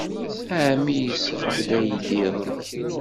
Ɛemmi yesɣa-d aydi iḍelli.